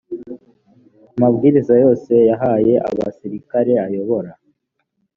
amabwiriza yose yahaye abasirikare ayobora